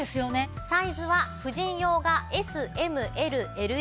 サイズは婦人用がＳＭＬＬＬ。